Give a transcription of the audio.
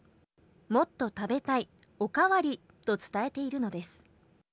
もっと食べたい、おかわりと伝えているのです。